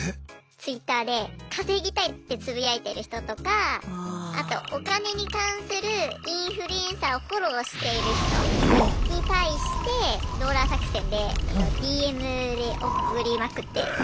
Ｔｗｉｔｔｅｒで「稼ぎたい」ってつぶやいてる人とかあとお金に関するインフルエンサーをフォローしている人に対してローラー作戦でＤＭで送りまくって。